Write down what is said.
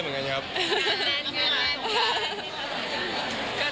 อยู่กรุงเทพนี่แหละคะ